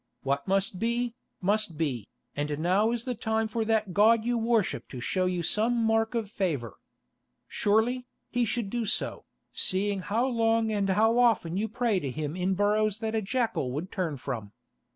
"What must be, must be, and now is the time for that God you worship to show you some mark of favour. Surely, He should do so, seeing how long and how often you pray to Him in burrows that a jackal would turn from."